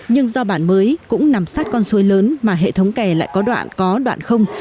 nhưng do bản mới cũng nằm sát con suối lớn mà hệ thống kè lại có đoạn có đoạn không